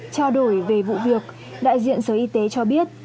trao đổi về vụ việc đại diện sở y tế cho biết